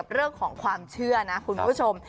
เรื่องของความเชื่อนะคุณผู้ชม